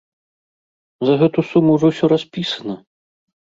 За гэту суму ўжо ўсё распісана!